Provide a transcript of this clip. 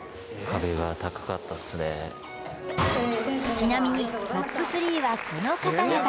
ちなみにトップ３はこの方々